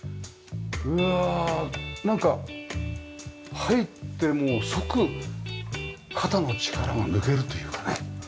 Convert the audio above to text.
うわあなんか入ってもう即肩の力が抜けるというかね。